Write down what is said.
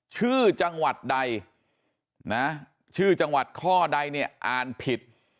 ชื่อจังหวัดใดนะชื่อจังหวัดข้อใดเนี่ยอ่านผิด